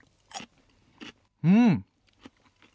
うん！